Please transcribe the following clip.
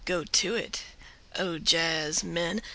Go to it, O jazzmen.